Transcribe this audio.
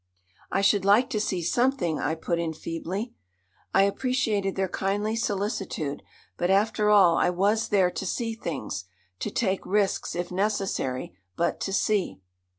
"I should like to see something," I put in feebly. I appreciated their kindly solicitude, but after all I was there to see things; to take risks, if necessary, but to see.